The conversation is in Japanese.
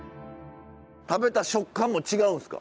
食べた食感も違うんすか？